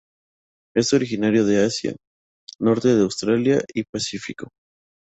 Es originario de Asia, norte de Australia y Pacífico.